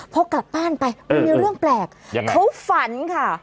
พบกลับบ้านไปมีเรื่องแปลกเขาฝันค่ะ